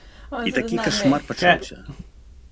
І такі кашмар пачаўся.